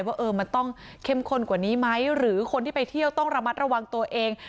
ว่ามันต้องเข้มข้นกว่านี้ไหมหรือคนที่ไปเที่ยวต้องระมัดระวังตัวเอง